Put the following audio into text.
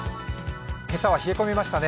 今朝は冷え込みましたね。